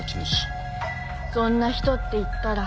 そんな人っていったら。